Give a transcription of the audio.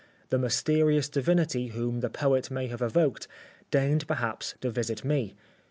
the mysterious divinity whom the poet may have evoked, deigned perhaps to visit me.